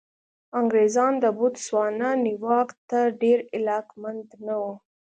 انګرېزان د بوتسوانا نیواک ته ډېر علاقمند نه وو.